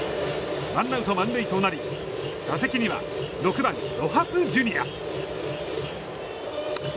ワンアウト満塁となり、打席には６番、ロハス・ジュニア。